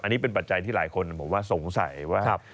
อันนี้เป็นปัจจัยที่หลายคนบอกว่าสงสัยว่า